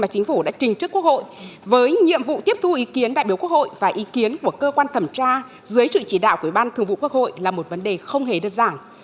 chính phủ đã trình trước quốc hội với nhiệm vụ tiếp thu ý kiến đại biểu quốc hội và ý kiến của cơ quan thẩm tra dưới sự chỉ đạo của ủy ban thường vụ quốc hội là một vấn đề không hề đơn giản